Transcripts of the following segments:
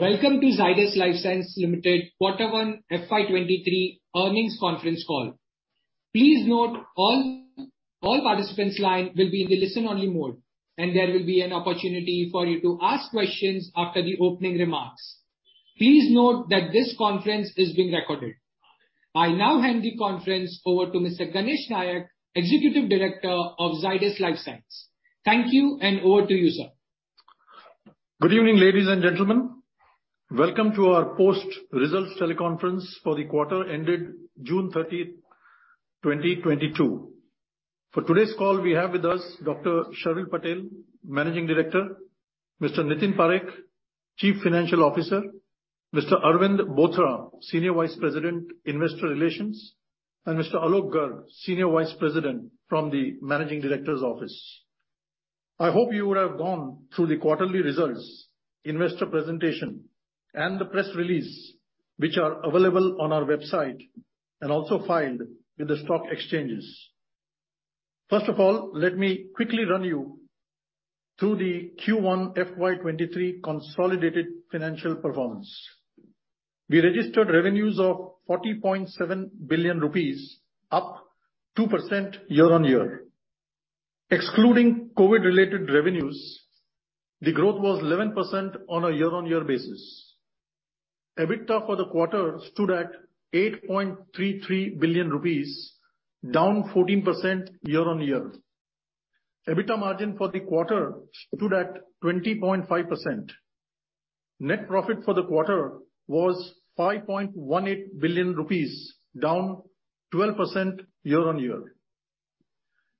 Welcome to Zydus Lifesciences Limited Quarter One FY 2023 Earnings Conference Call. Please note all participants' line will be in the listen-only mode, and there will be an opportunity for you to ask questions after the opening remarks. Please note that this conference is being recorded. I now hand the conference over to Mr. Ganesh Nayak, Executive Director of Zydus Lifesciences. Thank you, and over to you, sir. Good evening, ladies and gentlemen. Welcome to our post-results teleconference for the quarter ended June 30, 2022. For today's call, we have with us Dr. Sharvil Patel, Managing Director, Mr. Nitin Parekh, Chief Financial Officer, Mr. Arvind Bothra, Senior Vice President, Investor Relations, and Mr. Alok Garg, Senior Vice President from the Managing Director's Office. I hope you would have gone through the quarterly results, investor presentation, and the press release, which are available on our website and also filed with the stock exchanges. First of all, let me quickly run you through the Q1 FY23 consolidated financial performance. We registered revenues of 40.7 billion rupees, up 2% year-on-year. Excluding COVID-related revenues, the growth was 11% on a year-on-year basis. EBITDA for the quarter stood at 8.33 billion rupees, down 14% year-on-year. EBITDA margin for the quarter stood at 20.5%. Net profit for the quarter was 5.18 billion rupees, down 12% year-on-year.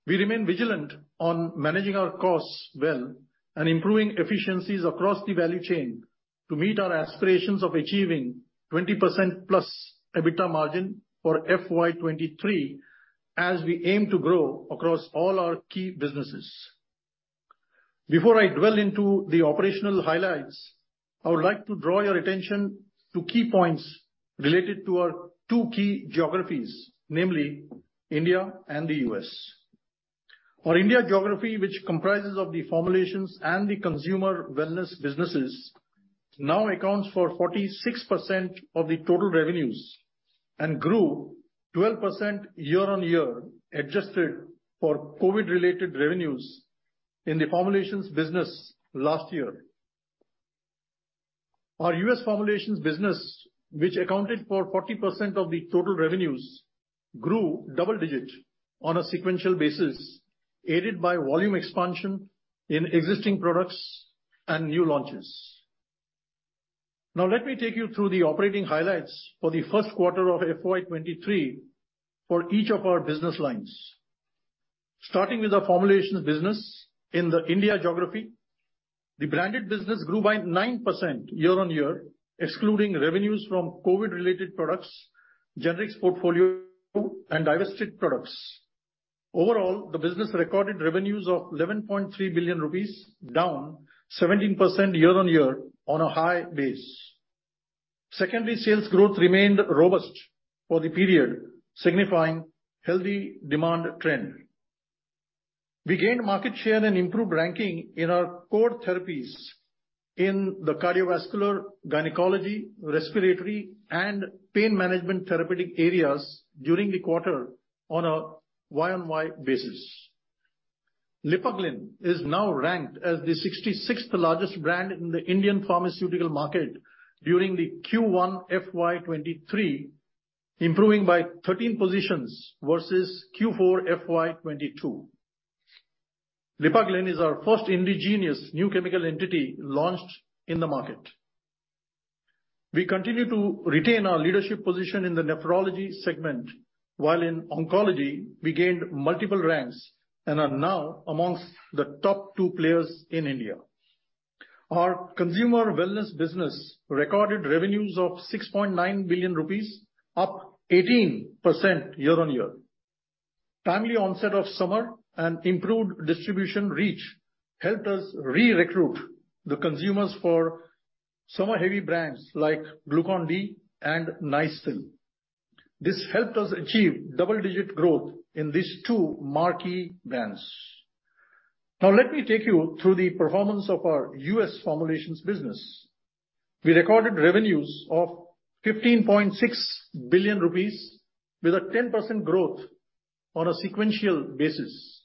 We remain vigilant on managing our costs well and improving efficiencies across the value chain to meet our aspirations of achieving 20%+ EBITDA margin for FY 2023, as we aim to grow across all our key businesses. Before I dwell into the operational highlights, I would like to draw your attention to key points related to our two key geographies, namely India and the U.S. Our India geography, which comprises of the formulations and the consumer wellness businesses, now accounts for 46% of the total revenues and grew 12% year-on-year, adjusted for COVID-related revenues in the formulations business last year. Our U.S. Formulations business, which accounted for 40% of the total revenues, grew double-digit on a sequential basis, aided by volume expansion in existing products and new launches. Now let me take you through the operating highlights for the first quarter of FY 2023 for each of our business lines. Starting with the formulations business in the India geography, the branded business grew by 9% year-on-year, excluding revenues from COVID-related products, generics portfolio, and divested products. Overall, the business recorded revenues of 11.3 billion rupees, down 17% year-on-year on a high base. Secondary sales growth remained robust for the period, signifying healthy demand trend. We gained market share and improved ranking in our core therapies in the cardiovascular, gynecology, respiratory, and pain management therapeutic areas during the quarter on a year-on-year basis. Lipaglyn is now ranked as the 66th largest brand in the Indian pharmaceutical market during the Q1 FY 2023, improving by 13 positions versus Q4 FY 2022. Lipaglyn is our first indigenous new chemical entity launched in the market. We continue to retain our leadership position in the nephrology segment, while in oncology we gained multiple ranks and are now among the top two players in India. Our consumer wellness business recorded revenues of 6.9 billion rupees, up 18% year-on-year. Timely onset of summer and improved distribution reach helped us recruit the consumers for summer-heavy brands like Glucon-D and Nycil. This helped us achieve double-digit growth in these two marquee brands. Now let me take you through the performance of our U.S. formulations business. We recorded revenues of 15.6 billion rupees with a 10% growth on a sequential basis.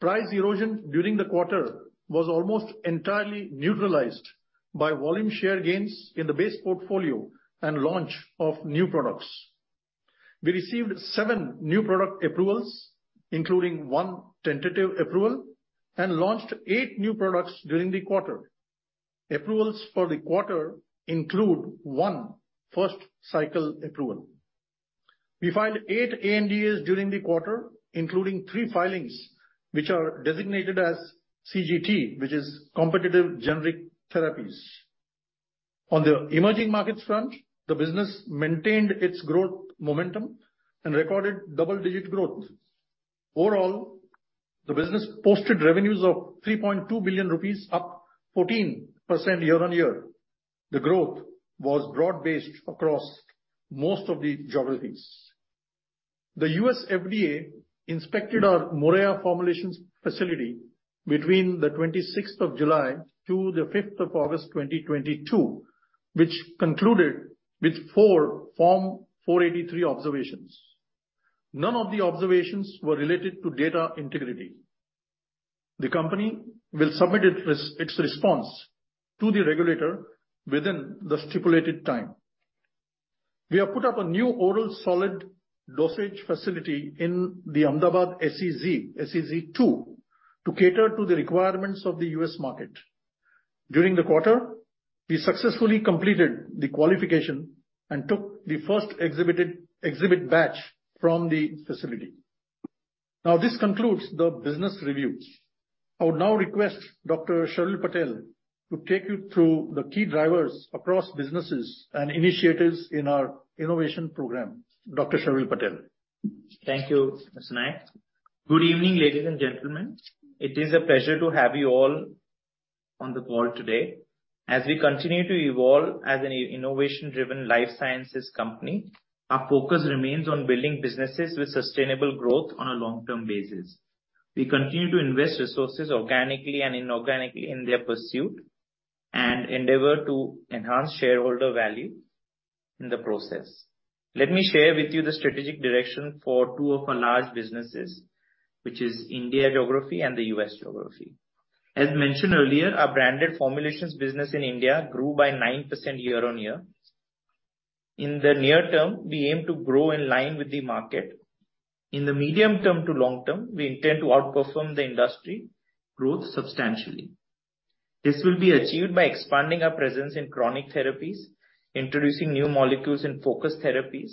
Price erosion during the quarter was almost entirely neutralized by volume share gains in the base portfolio and launch of new products. We received seven new product approvals, including one tentative approval, and launched eight new products during the quarter. Approvals for the quarter include one first cycle approval. We filed eight ANDAs during the quarter, including three filings which are designated as CGT, which is competitive generic therapies. On the emerging markets front, the business maintained its growth momentum and recorded double-digit growth. Overall, the business posted revenues of 3.2 billion rupees, up 14% year-on-year. The growth was broad-based across most of the geographies. The U.S. FDA inspected our Moraiya formulations facility between the twenty-sixth of July and the fifth of August 2022, which concluded with four Form 483 observations. None of the observations were related to data integrity. The company will submit its response to the regulator within the stipulated time. We have put up a new oral solid dosage facility in the Ahmedabad SEZ two, to cater to the requirements of the U.S. market. During the quarter, we successfully completed the qualification and took the first exhibit batch from the facility. Now this concludes the business review. I would now request Dr. Sharvil Patel to take you through the key drivers across businesses and initiatives in our innovation program. Dr. Sharvil Patel. Thank you, Mr. Nayak. Good evening, ladies and gentlemen. It is a pleasure to have you all on the call today. As we continue to evolve as an innovation-driven life sciences company, our focus remains on building businesses with sustainable growth on a long-term basis. We continue to invest resources organically and inorganically in their pursuit, and endeavor to enhance shareholder value in the process. Let me share with you the strategic direction for two of our large businesses, which is India geography and the U.S. geography. As mentioned earlier, our branded formulations business in India grew by 9% year-on-year. In the near term, we aim to grow in line with the market. In the medium term to long term, we intend to outperform the industry growth substantially. This will be achieved by expanding our presence in chronic therapies, introducing new molecules in focus therapies,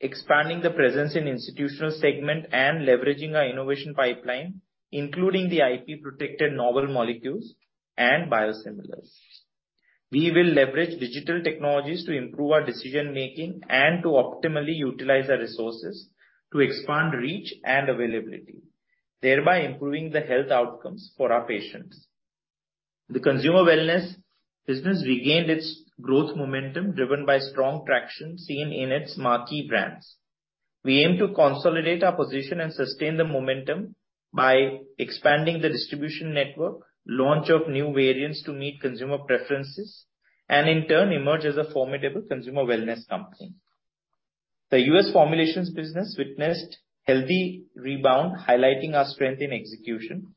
expanding the presence in institutional segment, and leveraging our innovation pipeline, including the IP-protected novel molecules and biosimilars. We will leverage digital technologies to improve our decision-making and to optimally utilize our resources to expand reach and availability, thereby improving the health outcomes for our patients. The consumer wellness business regained its growth momentum driven by strong traction seen in its marquee brands. We aim to consolidate our position and sustain the momentum by expanding the distribution network, launch of new variants to meet consumer preferences, and in turn emerge as a formidable consumer wellness company. The U.S. formulations business witnessed healthy rebound, highlighting our strength in execution.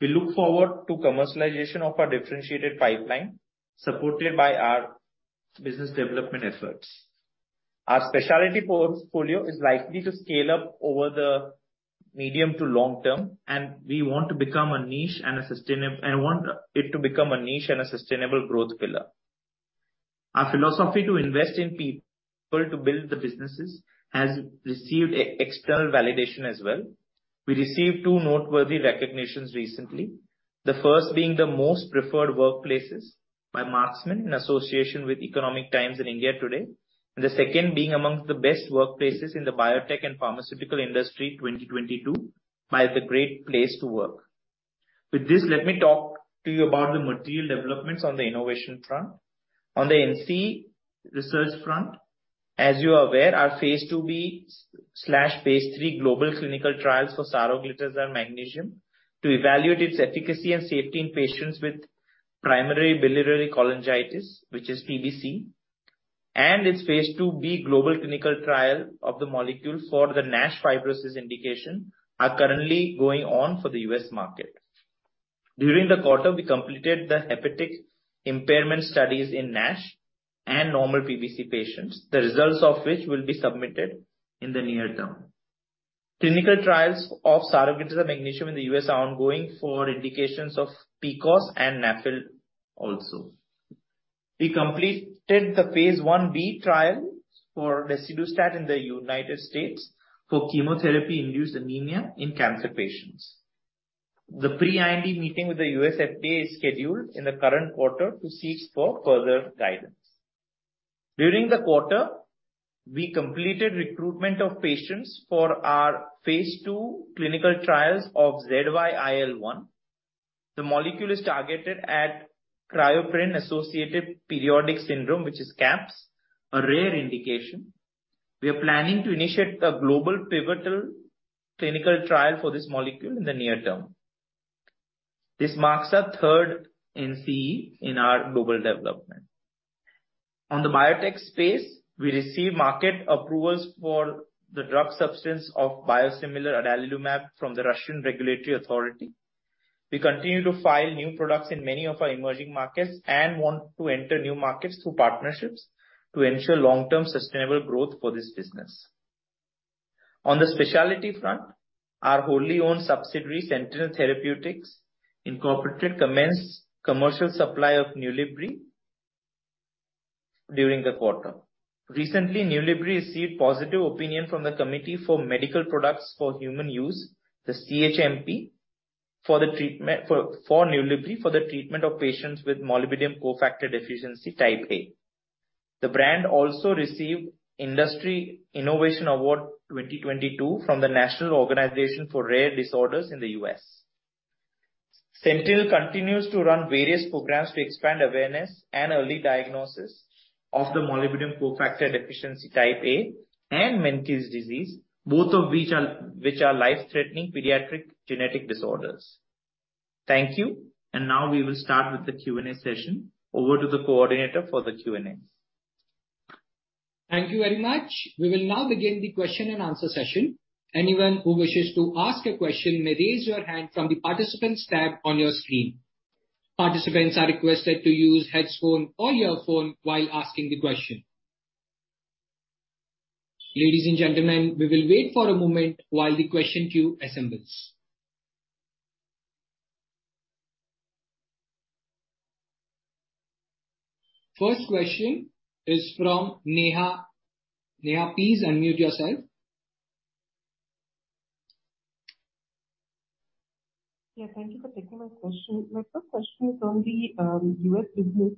We look forward to commercialization of our differentiated pipeline, supported by our business development efforts. Our specialty portfolio is likely to scale up over the medium to long term, and we want it to become a niche and a sustainable growth pillar. Our philosophy to invest in people to build the businesses has received external validation as well. We received two noteworthy recognitions recently. The first being the most preferred workplaces by Team Marksmen in association with The Economic Times in India Today, and the second being amongst the best workplaces in the biotech and pharmaceutical industry 2022 by the Great Place to Work. With this, let me talk to you about the material developments on the innovation front. On the NCE research front, as you are aware, our phase II-B/phase III global clinical trials for Saroglitazar Magnesium to evaluate its efficacy and safety in patients with primary biliary cholangitis, which is PBC, and its phase II-B global clinical trial of the molecule for the NASH fibrosis indication are currently going on for the U.S. market. During the quarter, we completed the hepatic impairment studies in NASH and normal PBC patients, the results of which will be submitted in the near term. Clinical trials of Saroglitazar Magnesium in the U.S. are ongoing for indications of PCOS and NAFLD also. We completed the phase I-B trial for desidustat in the United States for chemotherapy-induced anemia in cancer patients. The pre-IND meeting with the U.S. FDA is scheduled in the current quarter to seek for further guidance. During the quarter, we completed recruitment of patients for our phase II clinical trials of ZYIL1. The molecule is targeted at cryopyrin-associated periodic syndrome, which is CAPS, a rare indication. We are planning to initiate a global pivotal clinical trial for this molecule in the near term. This marks our third NCE in our global development. On the biotech space, we received market approvals for the drug substance of biosimilar adalimumab from the Russian regulatory authority. We continue to file new products in many of our emerging markets and want to enter new markets through partnerships to ensure long-term sustainable growth for this business. On the specialty front, our wholly owned subsidiary, Sentynl Therapeutics, Inc., commenced commercial supply of Nulibry during the quarter. Recently, Nulibry received positive opinion from the Committee for Medical Products for Human Use, the CHMP, for the treatment of Nulibry for the treatment of patients with molybdenum cofactor deficiency type A. The brand also received Industry Innovation Award 2022 from the National Organization for Rare Disorders in the U.S. Sentynl continues to run various programs to expand awareness and early diagnosis of the molybdenum cofactor deficiency type A and Menkes disease, both of which are life-threatening pediatric genetic disorders. Thank you. Now we will start with the Q&A session. Over to the coordinator for the Q&A. Thank you very much. We will now begin the question and answer session. Anyone who wishes to ask a question may raise your hand from the Participants tab on your screen. Participants are requested to use headphone or earphone while asking the question. Ladies and gentlemen, we will wait for a moment while the question queue assembles. First question is from Neha. Neha, please unmute yourself. Yeah, thank you for taking my question. My first question is on the U.S. business.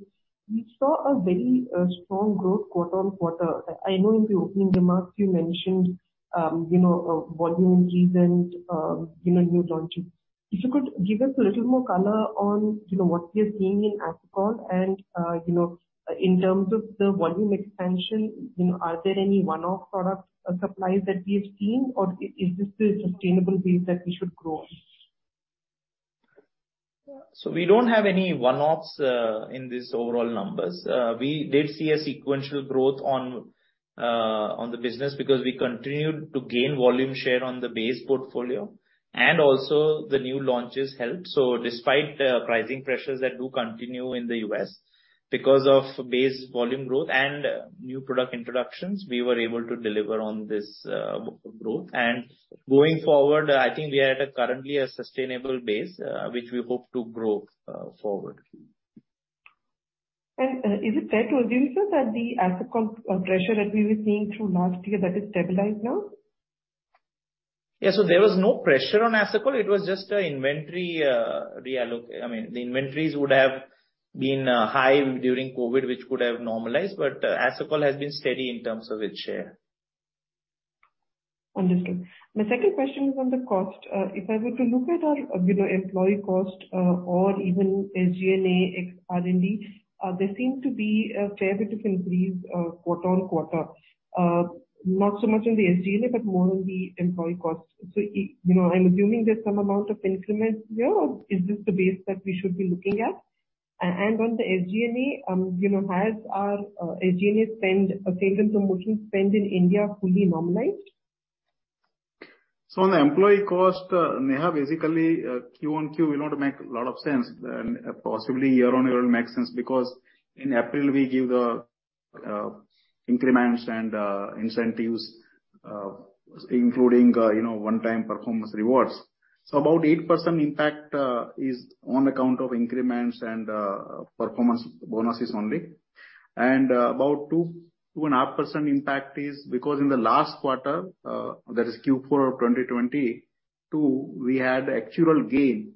We saw a very strong growth quarter-over-quarter. I know in the opening remarks you mentioned you know volume reasons you know new launches. If you could give us a little more color on you know what we are seeing in Asacol and you know in terms of the volume expansion, you know, are there any one-off product supplies that we have seen, or is this a sustainable base that we should grow on? We don't have any one-offs in these overall numbers. We did see a sequential growth on the business because we continued to gain volume share on the base portfolio and also the new launches helped. Despite pricing pressures that do continue in the U.S. because of base volume growth and new product introductions, we were able to deliver on this growth. Going forward, I think we are at a currently sustainable base which we hope to grow forward. Is it fair to assume, sir, that the Asacol pressure that we were seeing through last year, that is stabilized now? There was no pressure on Asacol. It was just a inventory, I mean, the inventories would have been high during COVID, which could have normalized, but Asacol has been steady in terms of its share. Understood. My second question is on the cost. If I were to look at our, you know, employee cost, or even SG&A ex R&D, there seem to be a fair bit of increase, quarter-on-quarter. Not so much on the SG&A, but more on the employee cost. You know, I'm assuming there's some amount of increment there, or is this the base that we should be looking at? And on the SG&A, you know, has our SG&A spend, sales and promotion spend in India fully normalized? On the employee cost, Neha, basically, Q-on-Q will not make a lot of sense. Possibly year-on-year will make sense because in April we give the increments and incentives, including you know one-time performance rewards. About 8% impact is on account of increments and performance bonuses only. About 2.5% impact is because in the last quarter that is Q4 of 2022 we had actual gain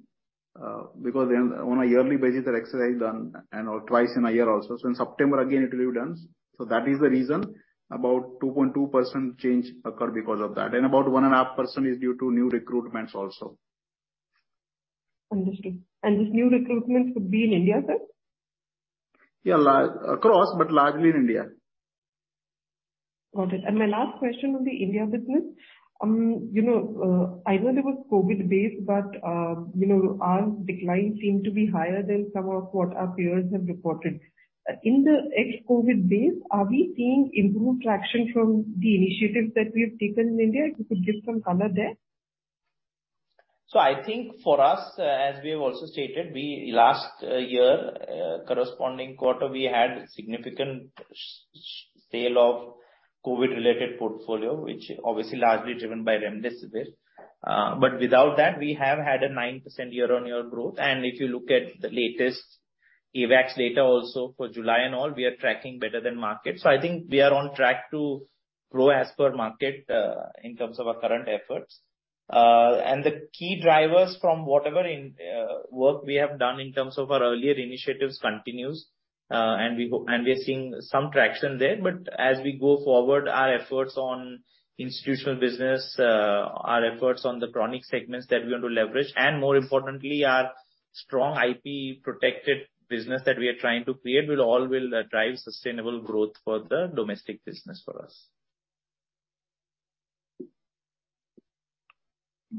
because on a yearly basis the exercise done and or twice in a year also. In September again it will be done. That is the reason about 2.2% change occur because of that. About 1.5% is due to new recruitments also. Understood. These new recruitments would be in India, sir? Yeah, largely in India. Got it. My last question on the India business. You know, I know there was COVID base, but you know, our decline seemed to be higher than some of what our peers have reported. In the ex-COVID base, are we seeing improved traction from the initiatives that we have taken in India? If you could give some color there. I think for us, as we have also stated, last year corresponding quarter, we had significant sale of COVID related portfolio, which obviously largely driven by Remdesivir. Without that we have had a 9% year-on-year growth. If you look at the latest IQVIA data also for July and all, we are tracking better than market. I think we are on track to grow as per market in terms of our current efforts. The key drivers from whatever work we have done in terms of our earlier initiatives continues. We are seeing some traction there. As we go forward, our efforts on institutional business, our efforts on the chronic segments that we want to leverage, and more importantly, our strong IP protected business that we are trying to create will all drive sustainable growth for the domestic business for us.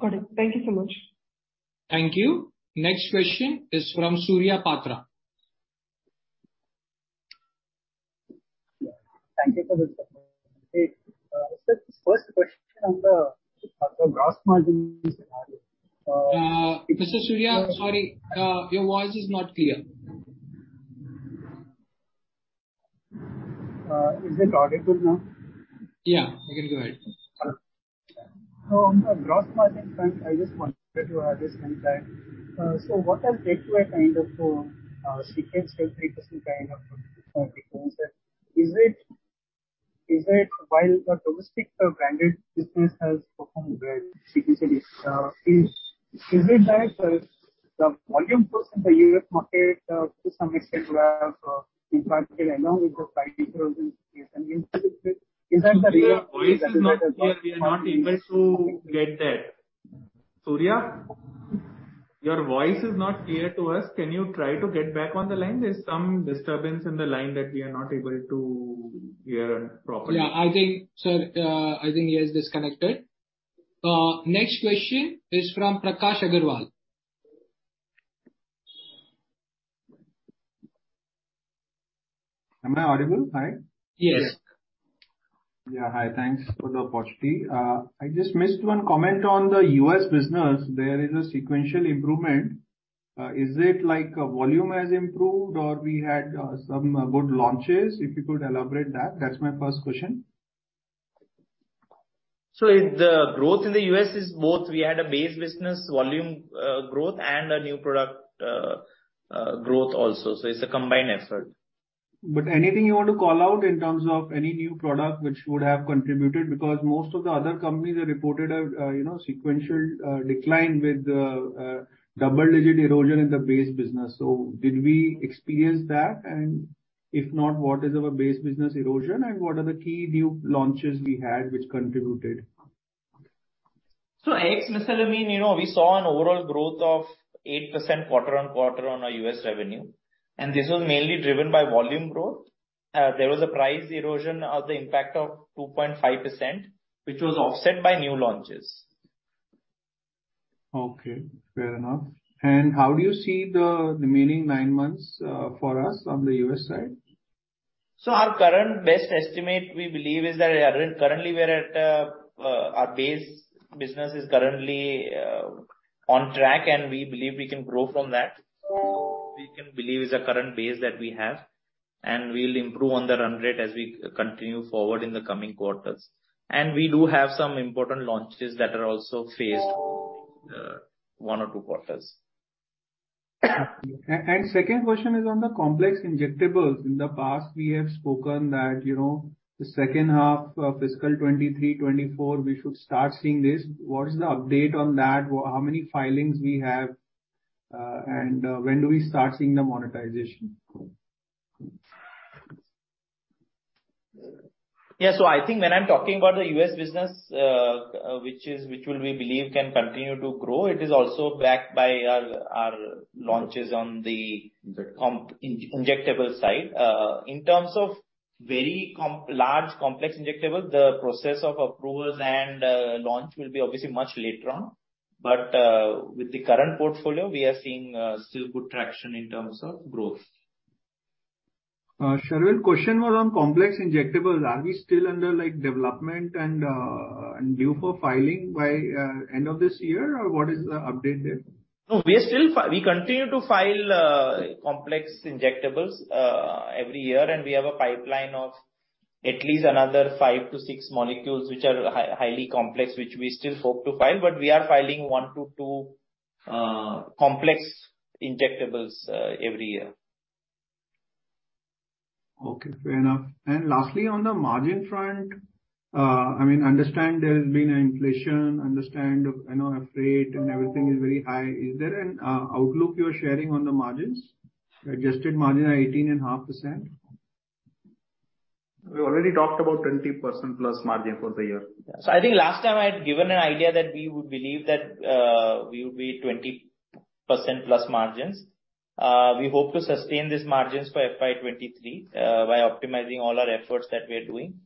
Got it. Thank you so much. Thank you. Next question is from Surya Patra. Thank you for this. Sir, first question on the gross margins. Mr. Surya, sorry, your voice is not clear. Is it audible now? Yeah, you can go ahead. On the gross margin front, I just wanted to address something. What has led to a kind of sequential 70% kind of? Is it, while the domestic branded business has performed well sequentially, is it that the volume growth in the U.S. market to some extent were impacted along with the price erosion? Is that the real- Surya, voice is not clear. We are not able to get that. Surya? Your voice is not clear to us. Can you try to get back on the line? There's some disturbance in the line that we are not able to hear properly. Yeah, I think, sir, I think he has disconnected. Next question is from Prakash Agarwal. Am I audible? Hi. Yes. Yeah, hi. Thanks for the opportunity. I just missed one comment on the U.S. business. There is a sequential improvement. Is it like volume has improved or we had some good launches? If you could elaborate that's my first question. The growth in the U.S. is both. We had a base business volume, growth and a new product, growth also. It's a combined effort. Anything you want to call out in terms of any new product which would have contributed because most of the other companies have reported a you know sequential decline with double-digit erosion in the base business. Did we experience that? And if not, what is our base business erosion and what are the key new launches we had which contributed? Ex-Mesalamine, you know, we saw an overall growth of 8% quarter-on-quarter on our U.S. revenue, and this was mainly driven by volume growth. There was a price erosion, the impact of 2.5%, which was offset by new launches. Okay, fair enough. How do you see the remaining nine months, for us on the U.S. side? Our current best estimate, we believe, is that our base business is currently on track, and we believe we can grow from that. We will improve on the run rate as we continue forward in the coming quarters. We do have some important launches that are also phase I or two quarters. Second question is on the complex injectables. In the past we have spoken that, you know, the second half of fiscal 2023, 2024 we should start seeing this. What is the update on that? How many filings we have, and when do we start seeing the monetization? Yeah. I think when I'm talking about the U.S. business, which we believe can continue to grow, it is also backed by our launches on the complex injectable side. In terms of very complex large complex injectable, the process of approvals and launch will be obviously much later on. With the current portfolio we are seeing, still good traction in terms of growth. Sharvil, question was on complex injectables. Are we still under like development and due for filing by end of this year? Or what is the update there? No, we are still filing. We continue to file complex injectables every year, and we have a pipeline of at least another five to six molecules which are highly complex, which we still hope to file. We are filing one to two complex injectables every year. Okay, fair enough. Lastly, on the margin front, I mean, I understand there's been an inflation, you know, freight and everything is very high. Is there an outlook you are sharing on the margins? Adjusted margin are 18.5%. We already talked about 20%+ margin for the year. %?I think last time I had given an idea that we would believe that we will be 20%+ margins. We hope to sustain these margins for FY 2023 by optimizing all our efforts that we are doing.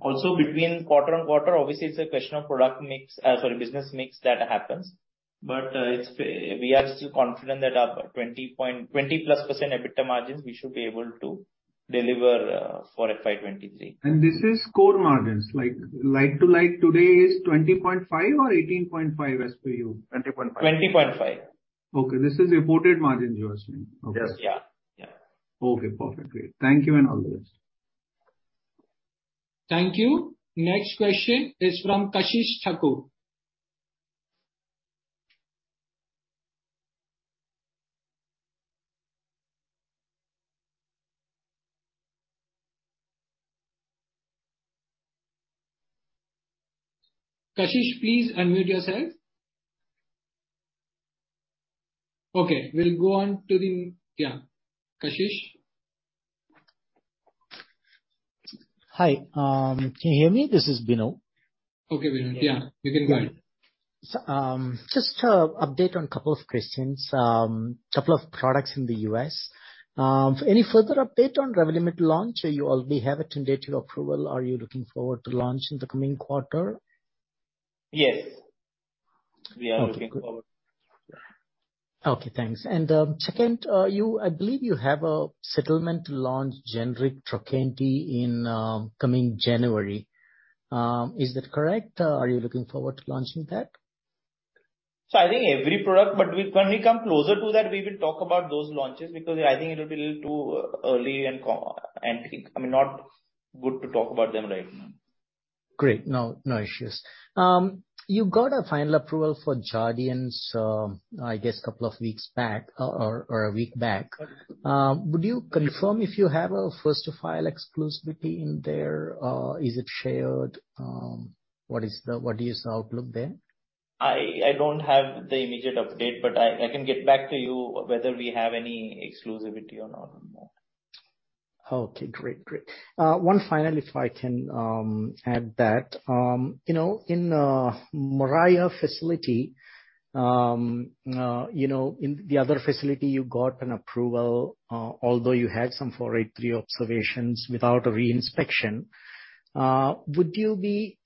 Also between quarter-on-quarter, obviously it's a question of product mix, business mix that happens. We are still confident that our 20.20%+ EBITDA margins we should be able to deliver for FY 2023. This is core margins, like, to like today is 20.5% or 18.5% as per you? 20.5%? 20.5%. Okay, this is reported margins you are saying? Okay. Yes. Yeah. Yeah. Okay, perfect. Great. Thank you and all the best. Thank you. Next question is from Kashish Thakur. Kashish, please unmute yourself. Okay, Yeah. Kashish? Hi. Can you hear me? This is Binu. Okay, Binu. Yeah. You can go ahead. Just an update on a couple of questions. Couple of products in the U.S. Any further update on Revlimid launch? You already have a tentative approval. Are you looking forward to launch in the coming quarter? Yes. Okay, good. We are looking forward. Okay, thanks. Second, I believe you have a settlement to launch generic Trokendi in coming January. Is that correct? Are you looking forward to launching that? I think every product, but when we come closer to that, we will talk about those launches because I think it will be little too early. I think, I mean, not good to talk about them right now. Great. No issues. You got a final approval for Jardiance, I guess a couple of weeks back or a week back. Would you confirm if you have a first-to-file exclusivity in there? Is it shared? What is the outlook there? I don't have the immediate update, but I can get back to you whether we have any exclusivity or not. Okay, great. One final, if I can, add that. You know, in Moraiya facility, you know, in the other facility you got an approval, although you had some Form 483 observations without a re-inspection. Would you think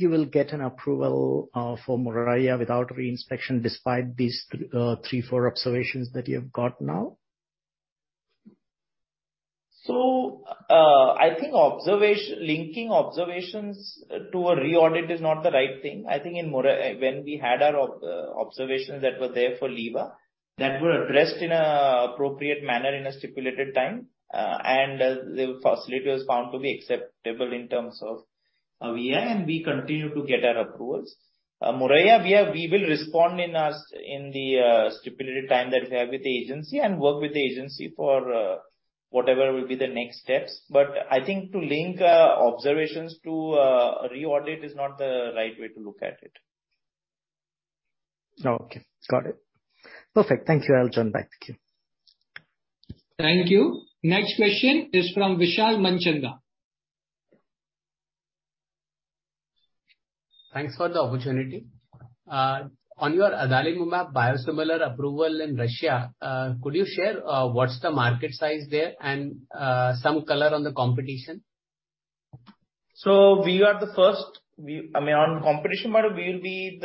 you will get an approval, for Moraiya without re-inspection despite these three, four observations that you have got now? I think linking observations to a re-audit is not the right thing. I think in Moraiya when we had our observations that were there for Liva that were addressed in an appropriate manner in a stipulated time and the facility was found to be acceptable and we continue to get our approvals. Moraiya we will respond in the stipulated time that we have with the agency and work with the agency for whatever will be the next steps. I think to link observations to a re-audit is not the right way to look at it. Okay, got it. Perfect. Thank you. I'll join back. Thank you. Thank you. Next question is from Vishal Manchanda. Thanks for the opportunity. On your Adalimumab biosimilar approval in Russia, could you share what's the market size there and some color on the competition? We are the first. I mean, on competition part, we will be,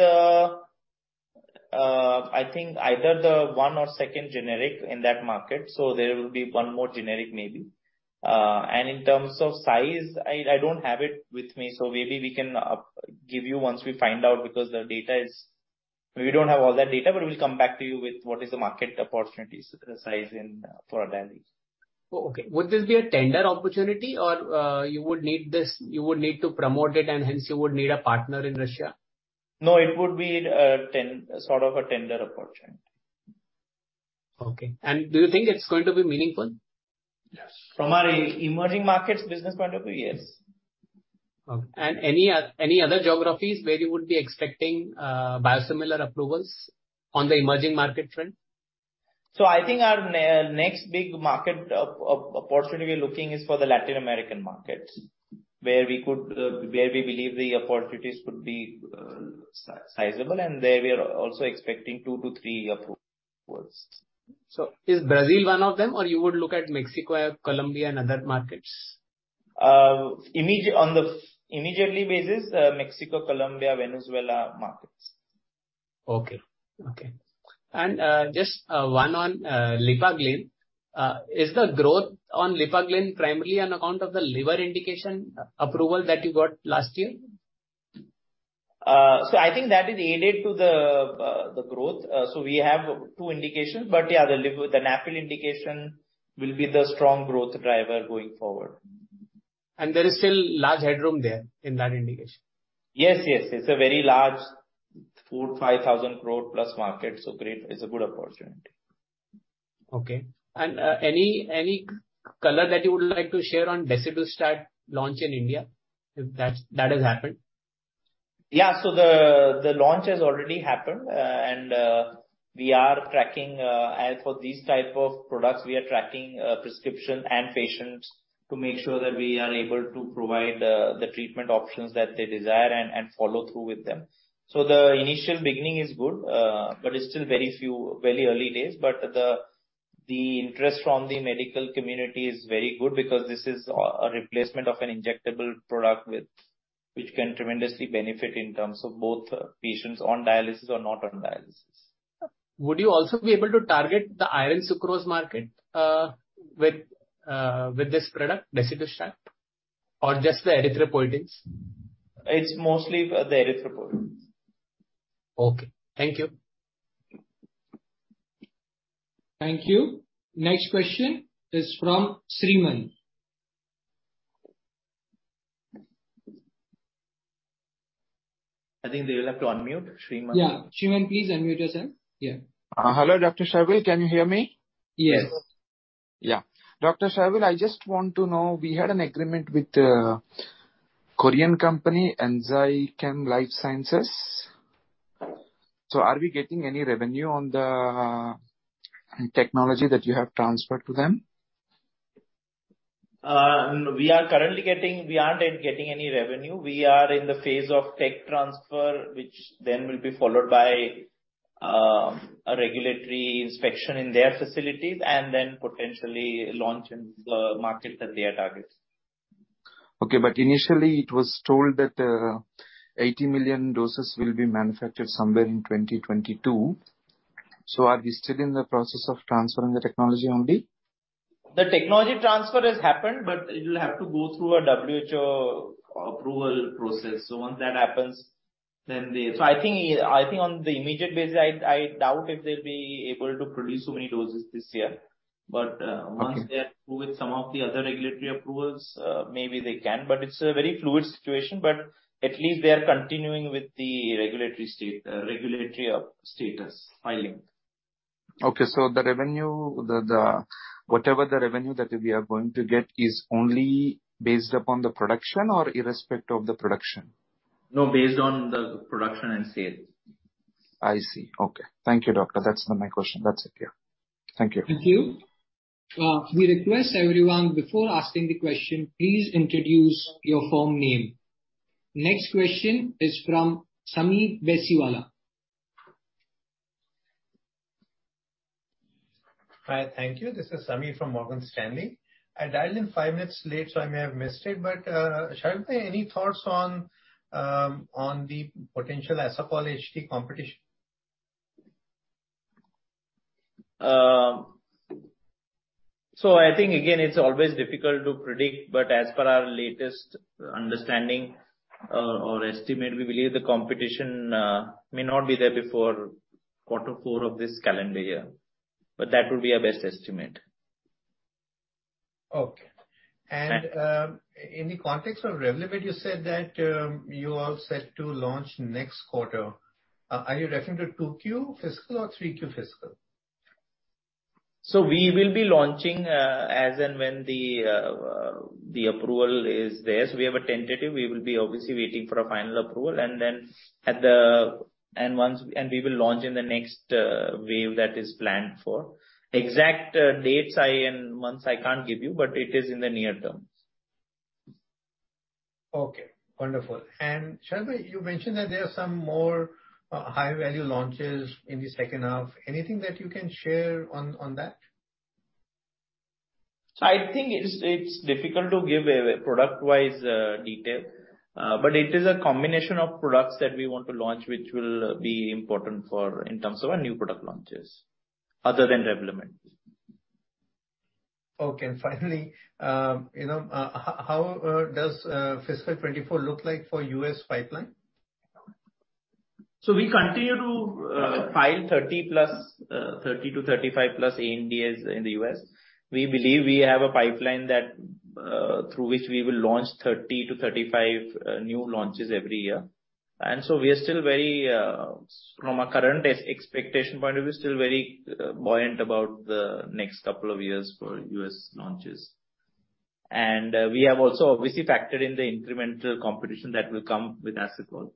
I think, either the one or second generic in that market, so there will be one more generic maybe. In terms of size, I don't have it with me, so maybe we can give you once we find out because the data is. We don't have all that data, but we'll come back to you with what is the market opportunities, the size in for Adalimumab. Okay. Would this be a tender opportunity or, you would need this, you would need to promote it and hence you would need a partner in Russia? No, it would be sort of a tender opportunity. Okay. Do you think it's going to be meaningful? Yes. From our emerging markets business point of view, yes. Okay. Any other geographies where you would be expecting biosimilar approvals on the emerging market front? I think our next big market opportunity we're looking is for the Latin American market, where we believe the opportunities could be sizable, and there we are also expecting two to three approvals. Is Brazil one of them, or you would look at Mexico or Colombia and other markets? On the immediate basis, Mexico, Colombia, Venezuela markets. Okay. Just one on Lipaglyn. Is the growth on Lipaglyn primarily on account of the liver indication approval that you got last year? I think that has added to the growth. We have two indications, but yeah, the liver, the NAFLD indication will be the strong growth driver going forward. There is still large headroom there in that indication? Yes. Yes. It's a very large 4,500 crore+ market, so great. It's a good opportunity. Okay. Any color that you would like to share on Decitabine launch in India, if that has happened? Yeah. The launch has already happened, and as for these type of products, we are tracking prescription and patients to make sure that we are able to provide the treatment options that they desire and follow through with them. The initial beginning is good, but it's still very early days. The interest from the medical community is very good because this is a replacement of an injectable product with which can tremendously benefit in terms of both patients on dialysis or not on dialysis. Would you also be able to target the Iron Sucrose market, with this product, desidustat or just the Erythropoietin? It's mostly the Erythropoietin. Okay. Thank you. Thank you. Next question is from Sriman. I think they will have to unmute Sriman. Yeah. Sriman, please unmute yourself. Yeah. Hello, Dr. Sharvil Patel. Can you hear me? Yes. Yeah. Dr. Sharvil Patel, I just want to know, we had an agreement with a Korean company, Enzychem Lifesciences Corporation. Are we getting any revenue on the technology that you have transferred to them? We aren't getting any revenue. We are in the phase of tech transfer, which then will be followed by a regulatory inspection in their facilities and then potentially launch in the markets that they are targeting. Okay. Initially it was told that 80 million doses will be manufactured somewhere in 2022. Are we still in the process of transferring the technology only? The technology transfer has happened, but it will have to go through a WHO approval process. Once that happens, I think on the immediate basis, I doubt if they'll be able to produce so many doses this year. Okay. Once they are through with some of the other regulatory approvals, maybe they can, but it's a very fluid situation, but at least they are continuing with the regulatory status filing. Okay. The revenue, whatever the revenue that we are going to get is only based upon the production or irrespective of the production? No, based on the production and sales. I see. Okay. Thank you, doctor. That's been my question. That's it, yeah. Thank you. Thank you. We request everyone, before asking the question, please introduce your firm name. Next question is from Sameer Baisiwala. Hi. Thank you. This is Sameer from Morgan Stanley. I dialed in five minutes late, so I may have missed it. Sharvil, any thoughts on the potential Asacol HD competition? I think again, it's always difficult to predict, but as per our latest understanding, or estimate, we believe the competition may not be there before quarter four of this calendar year. That will be our best estimate. Okay. In the context of Revlimid, you said that you are set to launch next quarter. Are you referring to 2Q fiscal or 3Q fiscal? We will be launching as and when the approval is there. We have a tentative. We will be obviously waiting for a final approval and then we will launch in the next wave that is planned for. Exact dates and months I can't give you, but it is in the near term. Okay, wonderful. Sharvil, you mentioned that there are some more high-value launches in the second half. Anything that you can share on that? I think it's difficult to give a product-wise detail. It is a combination of products that we want to launch, which will be important for in terms of our new product launches other than Revlimid. Okay. Finally, you know, how does fiscal 2024 look like for U.S. pipeline? We continue to file 30+ to 35+ ANDAs in the U.S. We believe we have a pipeline through which we will launch 30-35 new launches every year. We are still very from a current expectation point of view, still very buoyant about the next couple of years for U.S. launches. We have also obviously factored in the incremental competition that will come with Asacol.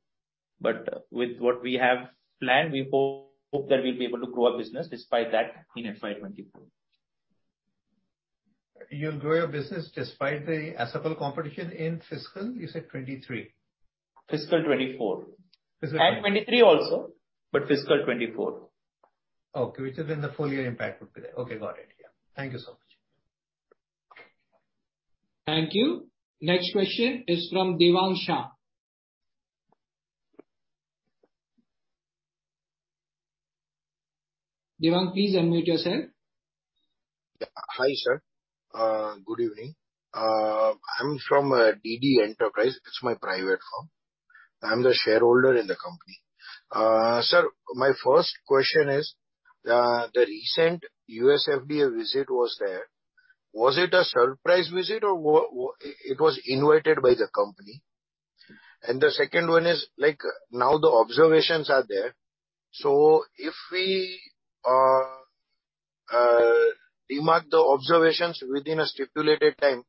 With what we have planned, we hope that we'll be able to grow our business despite that in FY 2024. You'll grow your business despite the Asacol competition in fiscal year 2023. Fiscal 2024. Fiscal- 2023 also, but fiscal 2024. Okay, which is then the full year impact would be there. Okay, got it. Yeah. Thank you so much. Thank you. Next question is from Devang Shah. Devang, please unmute yourself. Yeah. Hi, sir. Good evening. I'm from DD Enterprise. It's my private firm. I'm the shareholder in the company. Sir, my first question is the recent U.S. FDA visit was there. Was it a surprise visit or was it invited by the company? The second one is, like, now the observations are there. If we remark the observations within a stipulated time,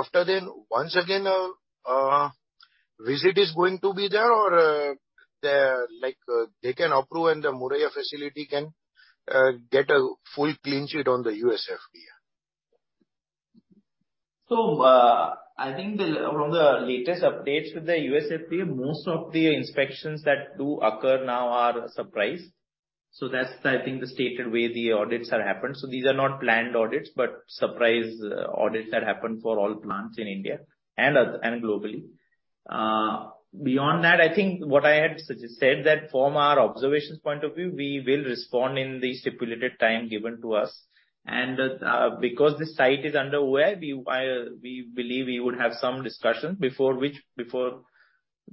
after then, once again a visit is going to be there or, there, like, they can approve and the Moraiya facility can get a full clean sheet on the U.S. FDA? From the latest updates with the U.S. FDA, most of the inspections that do occur now are surprise. That's the stated way the audits have happened. These are not planned audits, but surprise audits that happen for all plants in India and globally. Beyond that, I think what I had said that from our observations point of view, we will respond in the stipulated time given to us. Because the site is under way, we believe we would have some discussion before which, before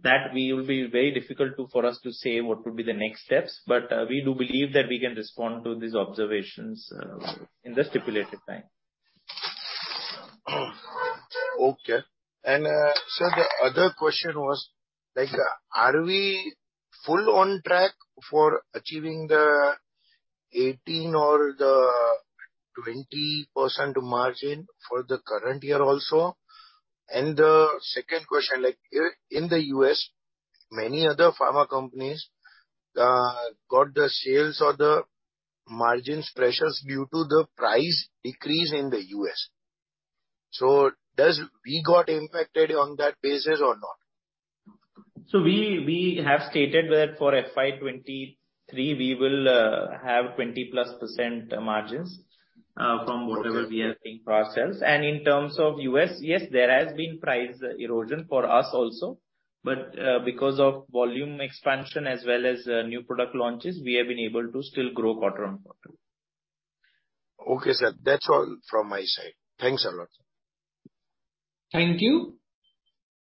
that we will be very difficult to, for us to say what would be the next steps, but we do believe that we can respond to these observations in the stipulated time. Okay. Sir, the other question was, like, are we fully on track for achieving the 18% or the 20% margin for the current year also? The second question, like, here in the U.S., many other pharma companies got the sales or the margins pressures due to the price decrease in the U.S. Does we got impacted on that basis or not? We have stated that for FY 2023 we will have 20%+ margins from whatever we are seeing for ourselves. In terms of U.S., yes, there has been price erosion for us also. Because of volume expansion as well as new product launches, we have been able to still grow quarter-on-quarter. Okay, sir. That's all from my side. Thanks a lot. Thank you.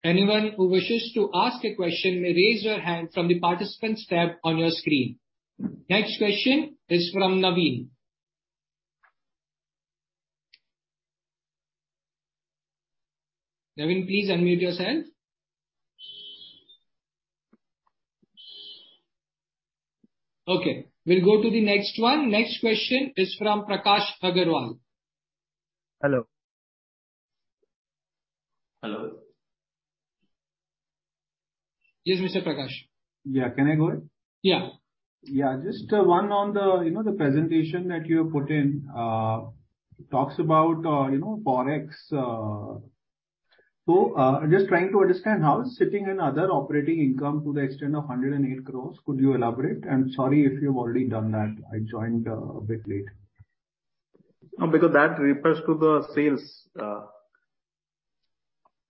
Anyone who wishes to ask a question may raise your hand from the Participants tab on your screen. Next question is from Naveen. Naveen, please unmute yourself. Okay, we'll go to the next one. Next question is from Prakash Agarwal. Hello. Hello. Yes, Mr. Prakash. Yeah. Can I go ahead? Yeah. Yeah, just one on the, you know, the presentation that you have put in, talks about, you know, Forex. Just trying to understand how sitting in other operating income to the extent of 108 crore. Could you elaborate? Sorry if you've already done that. I joined a bit late. No, because that refers to the sales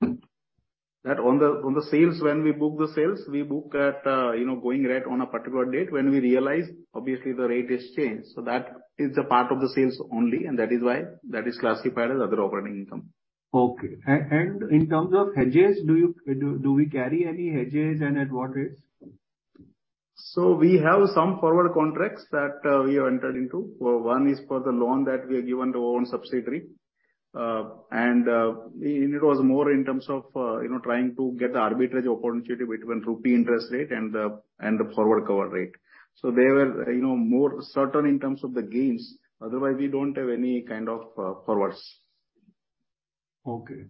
that, on the sales when we book the sales, we book at, you know, going rate on a particular date when we realize, obviously, the rate is changed. That is a part of the sales only, and that is why that is classified as other operating income. Okay. In terms of hedges, do we carry any hedges and at what rates? We have some forward contracts that we have entered into, where one is for the loan that we have given to our own subsidiary. It was more in terms of you know, trying to get the arbitrage opportunity between rupee interest rate and the forward cover rate. They were you know, more certain in terms of the gains. Otherwise we don't have any kind of forwards. Okay.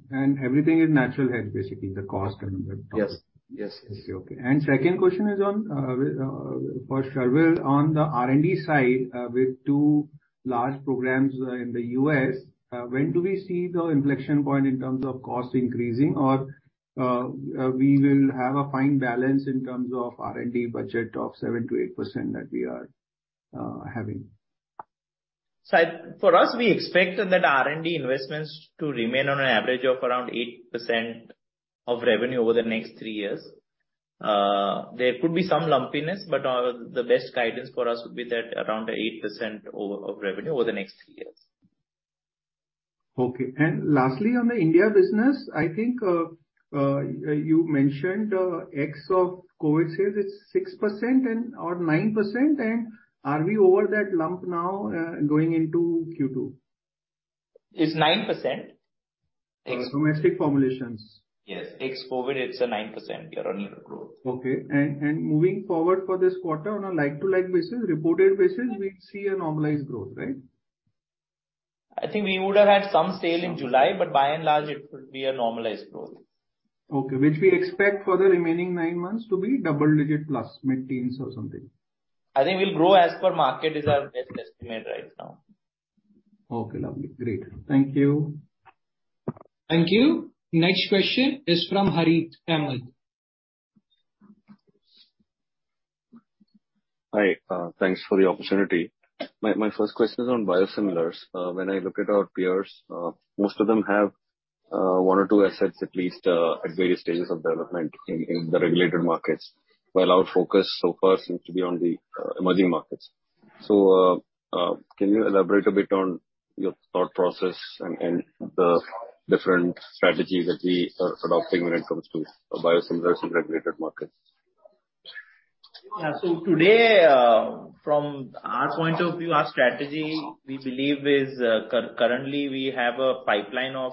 Everything is natural hedge, basically the cost and the. Yes. Yes. Okay. Second question is on for Sharvil. On the R&D side, with two large programs, in the U.S., when do we see the inflection point in terms of cost increasing or we will have a fine balance in terms of R&D budget of 7%-8% that we are having? For us, we expect that R&D investments to remain on an average of around 8% of revenue over the next three years. There could be some lumpiness, but the best guidance for us would be that around 8% of revenue over the next three years. Okay. Lastly, on the India business, I think you mentioned ex of COVID sales is 6% and/or 9%. Are we over that hump now, going into Q2? It's 9%. Domestic formulations. Yes. Ex-COVID, it's 9% year-on-year growth. Okay. Moving forward for this quarter on a like-to-like basis, reported basis, we see a normalized growth, right? I think we would have had some sales in July, but by and large it would be a normalized growth. Okay, which we expect for the remaining nine months to be double digit plus mid-teens or something. I think we'll grow as per market is our best estimate right now. Okay. Lovely. Great. Thank you. Thank you. Next question is from Harith Kamal. Hi. Thanks for the opportunity. My first question is on biosimilars. When I look at our peers, most of them have one or two assets at least at various stages of development in the regulated markets, while our focus so far seems to be on the emerging markets. Can you elaborate a bit on your thought process and the different strategy that we are adopting when it comes to biosimilars in regulated markets? Yeah. Today, from our point of view, our strategy we believe is, currently we have a pipeline of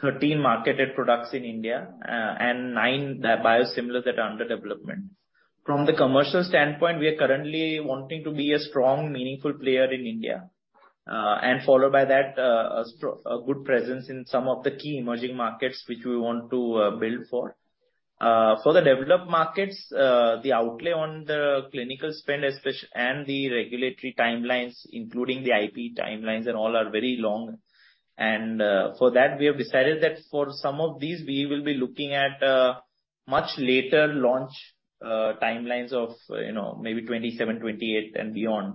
13 marketed products in India, and nine biosimilars that are under development. From the commercial standpoint, we are currently wanting to be a strong, meaningful player in India. Followed by that, a good presence in some of the key emerging markets which we want to build for. For the developed markets, the outlay on the clinical spend and the regulatory timelines, including the IP timelines and all, are very long. For that, we have decided that for some of these we will be looking at much later launch timelines of, you know, maybe 2027, 2028 and beyond.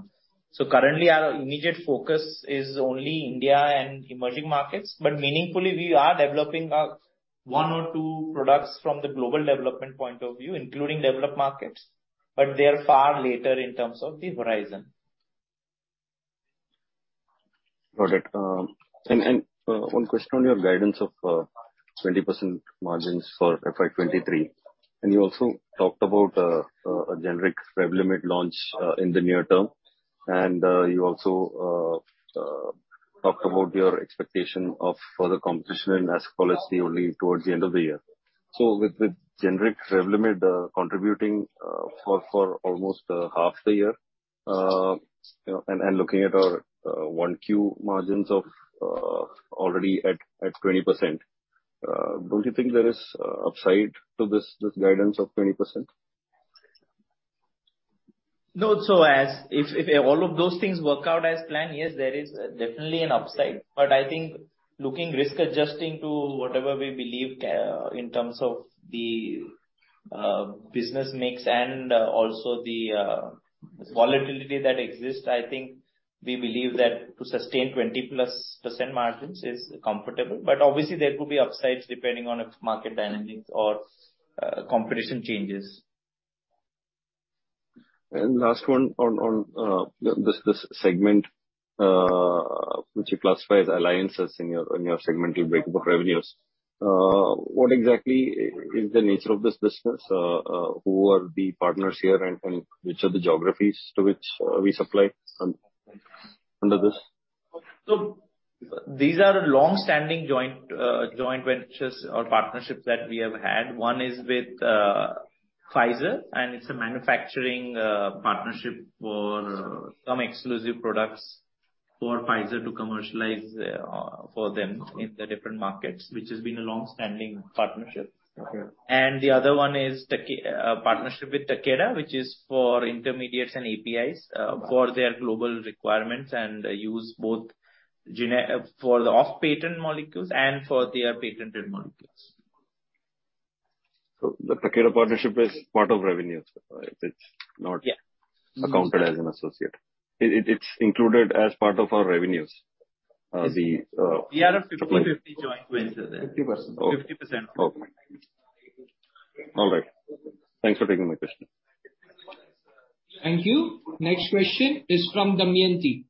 Currently our immediate focus is only India and emerging markets. Meaningfully, we are developing one or two products from the global development point of view, including developed markets, but they are far later in terms of the horizon. Got it. One question on your guidance of 20% margins for FY 2023. You also talked about a generic Revlimid launch in the near term. You also talked about your expectation of further competition in Asacol HD only towards the end of the year. With the generic Revlimid contributing for almost half the year, you know, looking at our 1Q margins of already at 20%, don't you think there is upside to this guidance of 20%? No. If all of those things work out as planned, yes, there is definitely an upside. I think looking risk-adjusted to whatever we believe in terms of the business mix and also the volatility that exists, I think we believe that to sustain 20%+ margins is comfortable. Obviously there could be upsides depending on if market dynamics or competition changes. Last one on this segment, which you classify as alliances in your segmented breakup revenues. What exactly is the nature of this business? Who are the partners here and which are the geographies to which we supply? Under this? These are long-standing joint ventures or partnerships that we have had. One is with Pfizer, and it's a manufacturing partnership for some exclusive products for Pfizer to commercialize for them in the different markets, which has been a long-standing partnership. Okay. The other one is the partnership with Takeda, which is for intermediates and APIs for their global requirements for the off-patent molecules and for their patented molecules. The Takeda partnership is part of revenue. It's not. Yeah. accounted as an associate. It's included as part of our revenues. We are a 50/50 joint venture there. 50%. 50%. Okay. All right. Thanks for taking my question. Thank you. Next question is from Damayanti.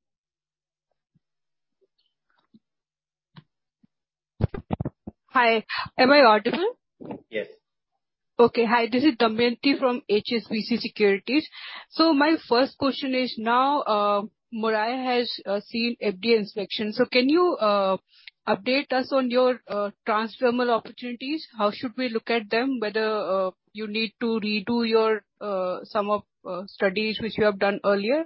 Hi. Am I audible? Yes. Okay. Hi, this is Damayanti from HSBC Securities. My first question is, now, Moraiya has seen FDA inspection. Can you update us on your transdermal opportunities? How should we look at them, whether you need to redo your some of studies which you have done earlier?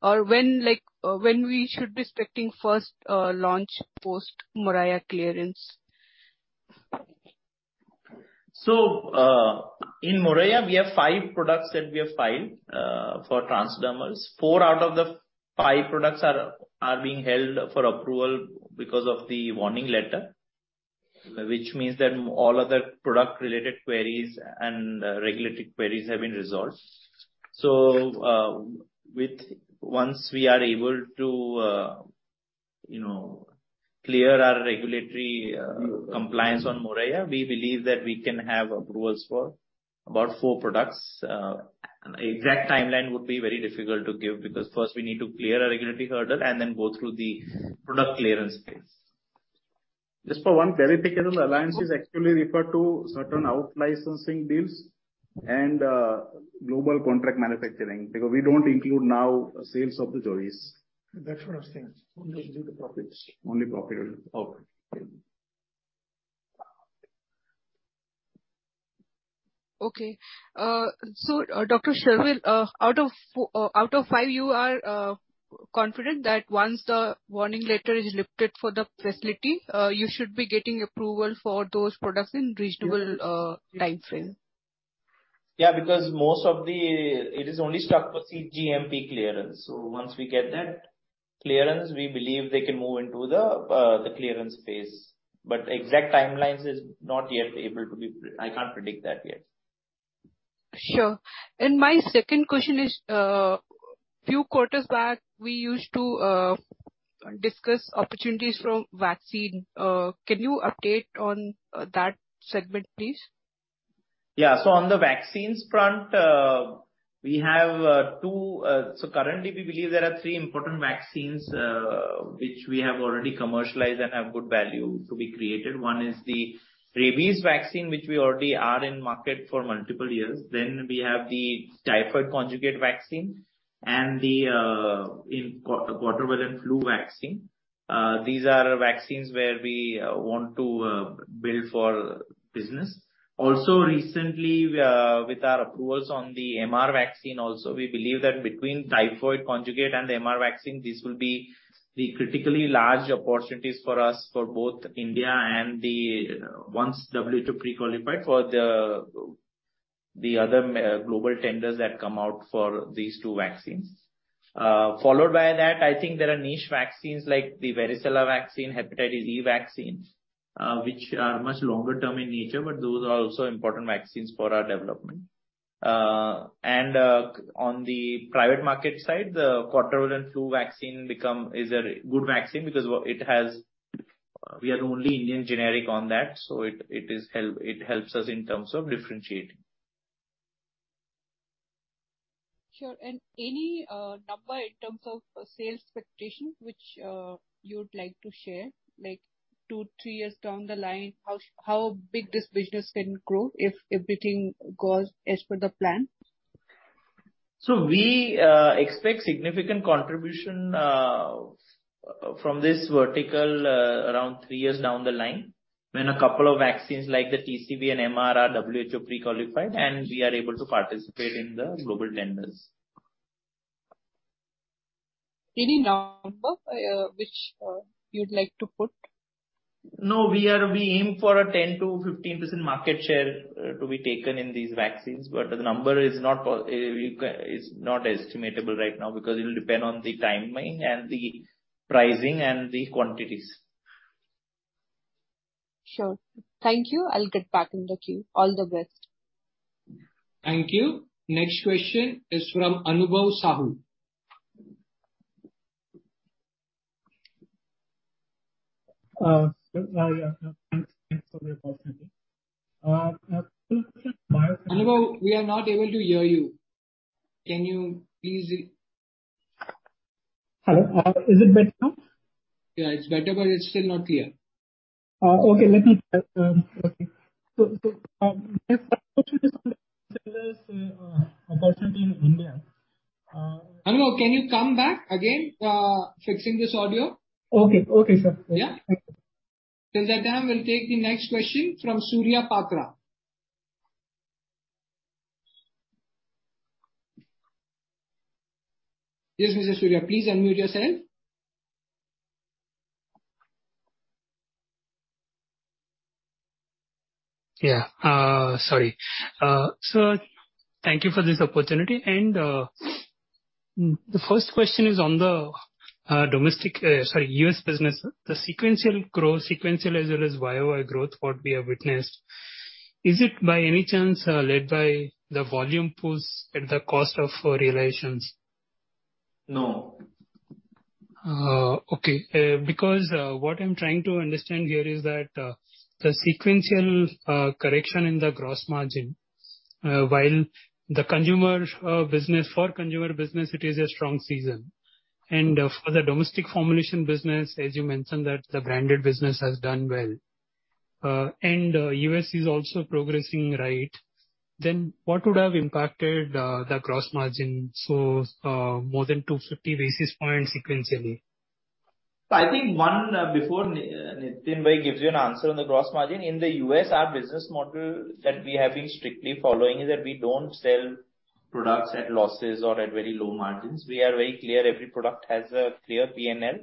Or when like, when we should be expecting first launch post Moraiya clearance? In Moraiya, we have five products that we have filed for transdermals. Four out of the five products are being held for approval because of the warning letter. Which means that all other product-related queries and regulatory queries have been resolved. Once we are able to, you know, clear our regulatory compliance on Moraiya, we believe that we can have approvals for about four products. An exact timeline would be very difficult to give because first we need to clear our regulatory hurdle and then go through the product clearance phase. Just for one verification, alliance is actually referred to certain out-licensing deals and global contract manufacturing, because we don't include our sales of the JVs. That sort of thing. Only due to profits. Only profits. Okay. Dr. Sharvil Patel, out of five, you are confident that once the warning letter is lifted for the facility, you should be getting approval for those products in reasonable timeframe? Yeah, because most of the it is only stuck for cGMP clearance. Once we get that clearance, we believe they can move into the clearance phase. Exact timelines is not yet able to be. I can't predict that yet. Sure. My second question is, few quarters back, we used to discuss opportunities from vaccine. Can you update on that segment, please? On the vaccines front, we have two. Currently we believe there are three important vaccines which we have already commercialized and have good value to be created. One is the rabies vaccine, which we already are in market for multiple years. Then we have the typhoid conjugate vaccine and the quadrivalent flu vaccine. These are vaccines where we want to build for business. Also recently, with our approvals on the MR vaccine also, we believe that between typhoid conjugate and the MR vaccine, this will be the critically large opportunities for us for both India and the other. Once WHO prequalified for the other global tenders that come out for these two vaccines. Followed by that, I think there are niche vaccines like the varicella vaccine, hepatitis E vaccines, which are much longer term in nature, but those are also important vaccines for our development. On the private market side, the quadrivalent flu vaccine is a good vaccine because we are only Indian generic on that, so it helps us in terms of differentiating. Sure. Any number in terms of sales expectation which you would like to share, like two, three years down the line, how big this business can grow if everything goes as per the plan? We expect significant contribution from this vertical around three years down the line, when a couple of vaccines like the TCV and MR are WHO pre-qualified and we are able to participate in the global tenders. Any number, which you'd like to put? No, we aim for a 10%-15% market share to be taken in these vaccines, but the number is not estimatable right now because it'll depend on the timing and the pricing and the quantities. Sure. Thank you. I'll get back in the queue. All the best. Thank you. Next question is from Anubhav Sahu. Thanks for the opportunity. Anubhav, we are not able to hear you. Can you please? Hello. Is it better now? Yeah, it's better, but it's still not clear. Okay. In India. Hello, can you come back again, fixing this audio? Okay, sir. Yeah. Till that time, we'll take the next question from Surya Patra. Yes, Mr. Surya, please unmute yourself. Sir, thank you for this opportunity. The first question is on the domestic U.S. Business. The sequential as well as YOY growth what we have witnessed, is it by any chance led by the volume pulls at the cost of realizations? No. Okay. Because what I'm trying to understand here is that the sequential correction in the gross margin while the consumer business. For consumer business it is a strong season, and for the domestic formulation business, as you mentioned, that the branded business has done well. U.S. is also progressing, right? What would have impacted the gross margin so more than 250 basis points sequentially? I think one, before Nitin right gives you an answer on the gross margin, in the U.S., our business model that we have been strictly following is that we don't sell products at losses or at very low margins. We are very clear. Every product has a clear P&L,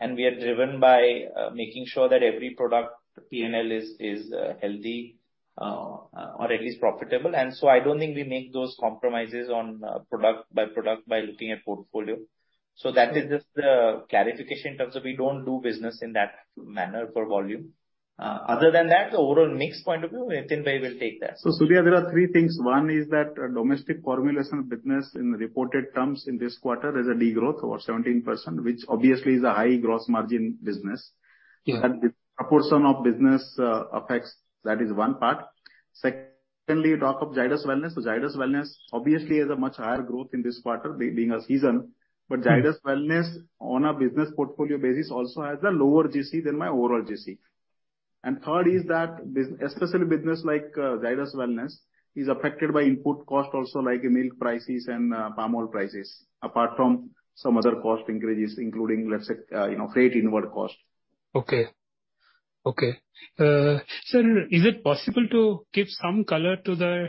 and we are driven by making sure that every product P&L is healthy or at least profitable. I don't think we make those compromises on product by product by looking at portfolio. That is just the clarification in terms of we don't do business in that manner for volume. Other than that, the overall mix point of view, Nitin right will take that. Surya, there are three things. One is that domestic formulation business in reported terms in this quarter is a degrowth of 17%, which obviously is a high gross margin business. Yeah. The proportion of business aspects, that is one part. Secondly, you talk of Zydus Wellness. Zydus Wellness obviously has a much higher growth in this quarter being seasonal. Mm-hmm. Zydus Wellness on a business portfolio basis also has a lower GM than my overall GM. Third is that especially business like Zydus Wellness is affected by input cost also like milk prices and palm oil prices, apart from some other cost increases including, let's say, you know, freight inward cost. Okay, sir, is it possible to give some color to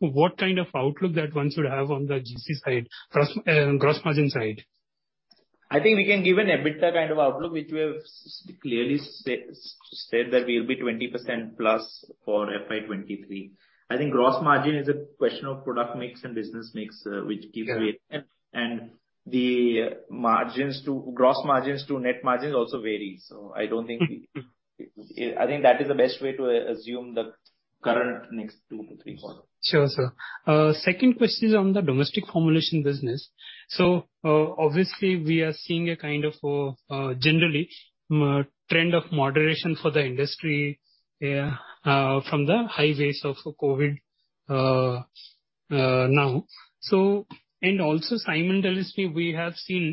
what kind of outlook that one should have on the GM side, gross margin side? I think we can give an EBITDA kind of outlook, which we have clearly said that we'll be 20% plus for FY 2023. I think gross margin is a question of product mix and business mix, which gives weight. Yeah. Gross margins to net margins also vary, so I don't think- Mm-hmm. I think that is the best way to assume the current next 2-3 quarters. Sure, sir. Second question is on the domestic formulation business. Obviously we are seeing a kind of general trend of moderation for the industry from the high rates of COVID now. Simultaneously, we have seen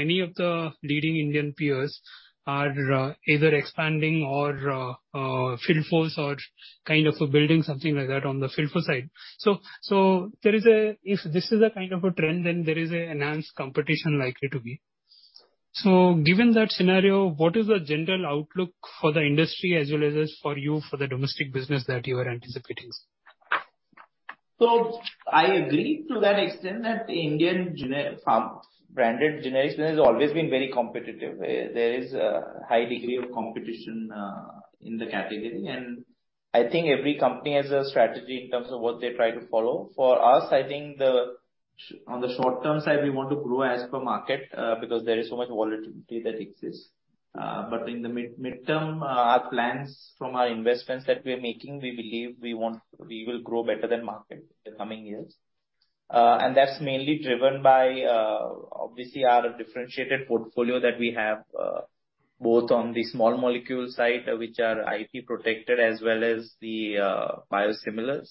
many of the leading Indian peers are either expanding or field force or kind of building something like that on the field force side. If this is a kind of a trend, then there is an enhanced competition likely to be. Given that scenario, what is the general outlook for the industry as well as for you for the domestic business that you are anticipating, sir? I agree to that extent that Indian branded generic has always been very competitive. There is a high degree of competition in the category, and I think every company has a strategy in terms of what they try to follow. For us, I think on the short-term side, we want to grow as per market because there is so much volatility that exists. But in the midterm, our plans from our investments that we are making, we believe we want, we will grow better than market in the coming years. And that's mainly driven by, obviously our differentiated portfolio that we have, both on the small molecule side, which are IP protected, as well as the, biosimilars.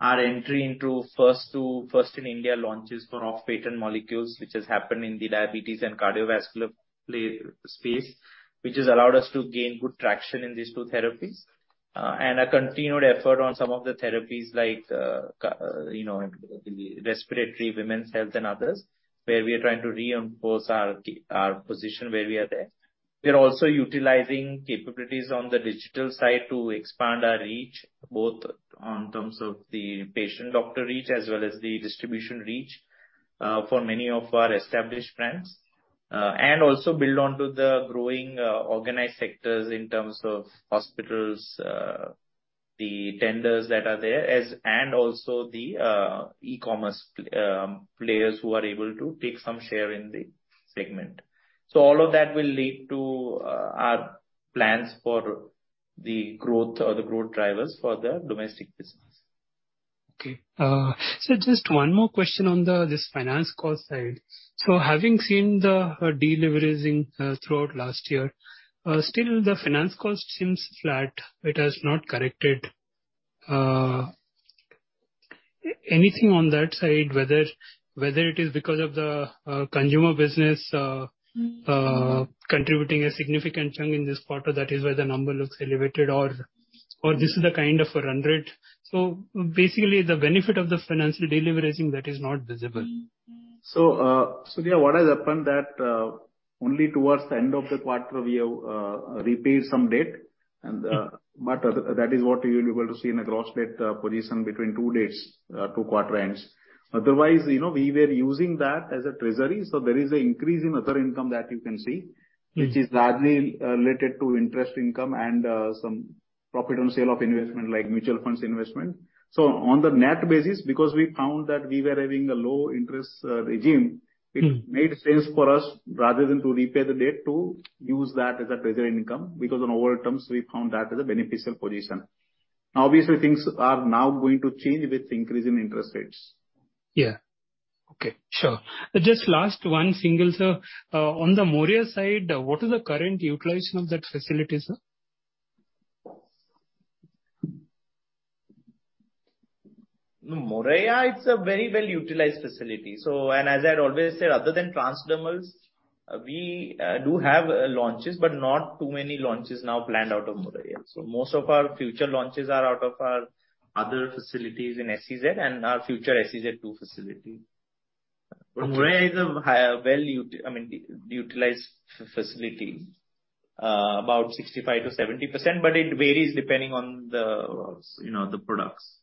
Our entry into first two first-in-India launches for off-patent molecules, which has happened in the diabetes and cardiovascular space, which has allowed us to gain good traction in these two therapies. A continued effort on some of the therapies like, you know, the respiratory, women's health and others, where we are trying to reinforce our position where we are there. We are also utilizing capabilities on the digital side to expand our reach, both in terms of the patient doctor reach as well as the distribution reach, for many of our established brands. Also building onto the growing organized sectors in terms of hospitals, the tenders that are there, also the e-commerce players who are able to take some share in the segment. All of that will lead to our plans for the growth or the growth drivers for the domestic business. Okay. Just one more question on this finance cost side. Having seen the de-leveraging throughout last year, still the finance cost seems flat. It has not corrected. Anything on that side, whether it is because of the consumer business contributing a significant chunk in this quarter, that is why the number looks elevated or this is a kind of a run rate. Basically, the benefit of the financial de-leveraging, that is not visible. Surya, what has happened that only towards the end of the quarter we have repaid some debt, but that is what you'll be able to see in a gross debt position between two dates, two quarter ends. Otherwise, you know, we were using that as a treasury, so there is an increase in other income that you can see. Mm-hmm. which is largely related to interest income and some profit on sale of investment like mutual funds investment. On the net basis, because we found that we were having a low interest regime. Mm-hmm. It made sense for us rather than to repay the debt to use that as a treasury income, because on overall terms we found that as a beneficial position. Now obviously things are now going to change with increase in interest rates. Yeah. Okay. Sure. Just last one single, sir. On the Moraiya side, what is the current utilization of that facility, sir? Moraiya, it's a very well-utilized facility. As I'd always said, other than transdermals, we do have launches but not too many launches now planned out of Moraiya. Most of our future launches are out of our other facilities in SEZ and our future SEZ 2 facility. Moraiya is a high, well utilized facility, I mean, about 65%-70%, but it varies depending on the, you know, the products.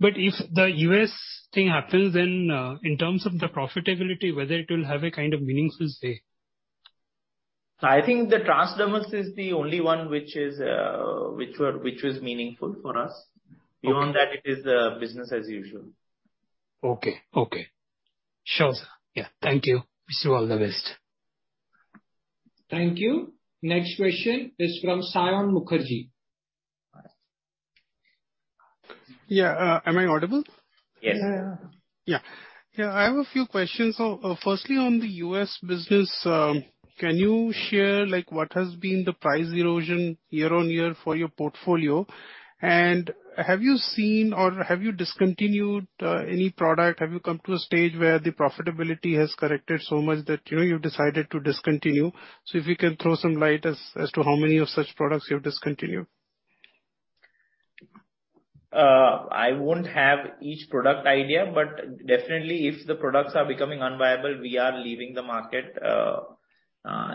If the U.S. thing happens then, in terms of the profitability, whether it will have a kind of meaningful say. I think the transdermals is the only one which was meaningful for us. Okay. Beyond that, it is business as usual. Okay. Sure, sir. Yeah. Thank you. Wish you all the best. Thank you. Next question is from Saion Mukherjee. Yeah. Am I audible? Yes. Yeah, I have a few questions. Firstly, on the U.S. business, can you share, like, what has been the price erosion year-on-year for your portfolio? And have you seen or have you discontinued any product? Have you come to a stage where the profitability has corrected so much that, you know, you've decided to discontinue? If you can throw some light as to how many of such products you've discontinued. I won't have each product idea, but definitely if the products are becoming unviable, we are leaving the market,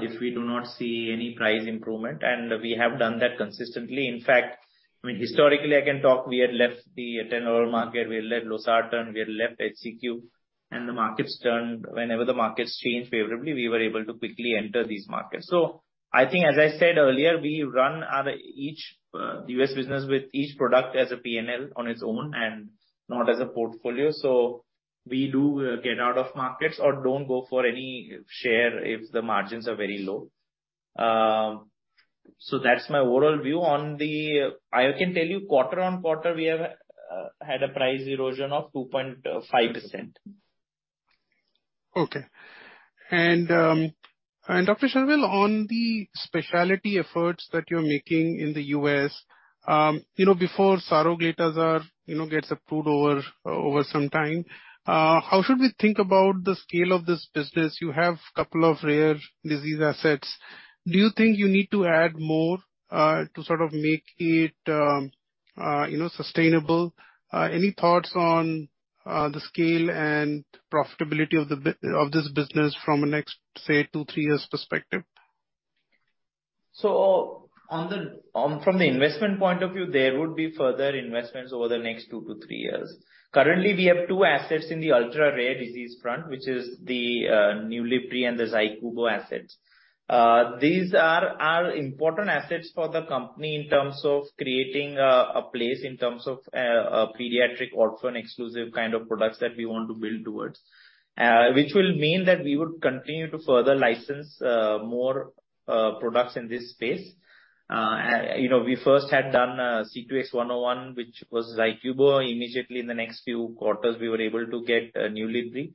if we do not see any price improvement. We have done that consistently. In fact, I mean, historically, I can talk, we had left the Atenolol market, we had left Losartan, we had left Hydroxychloroquine, and the markets turned. Whenever the markets changed favorably, we were able to quickly enter these markets. I think, as I said earlier, we run our each U.S. business with each product as a P&L on its own and not as a portfolio. We do get out of markets or don't go for any share if the margins are very low. That's my overall view. On the, I can tell you quarter-on-quarter we have had a price erosion of 2.5%. Okay. Dr. Sharvil, on the specialty efforts that you're making in the U.S., before Saroglitazar gets approved over some time, how should we think about the scale of this business? You have couple of rare disease assets. Do you think you need to add more to sort of make it sustainable? Any thoughts on the scale and profitability of this business from the next, say, two, three years perspective? From the investment point of view, there would be further investments over the next two to three years. Currently, we have two assets in the ultra-rare disease front, which is the Nulibry and the ZYCUBO assets. These are important assets for the company in terms of creating a place in terms of a pediatric orphan exclusive kind of products that we want to build towards. Which will mean that we would continue to further license more products in this space. You know, we first had done CUTX-101, which was ZYCUBO. Immediately in the next few quarters, we were able to get Nulibry.